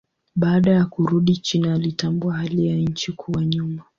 Baada ya kurudi China alitambua hali ya nchi kuwa nyuma.